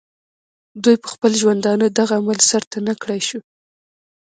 دوي پۀ خپل ژوندانۀ دغه عمل سر ته نۀ کړے شو